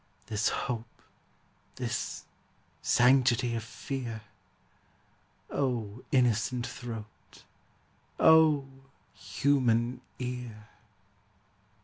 This hope, this sanctity of fear? _O innocent throat! O human ear!